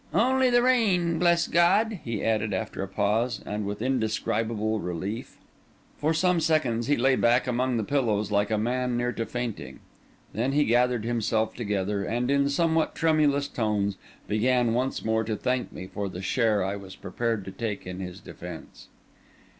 "Only the rain, bless God!" he added, after a pause, and with indescribable relief. For some seconds he lay back among the pillows like a man near to fainting; then he gathered himself together, and, in somewhat tremulous tones, began once more to thank me for the share I was prepared to take in his defence.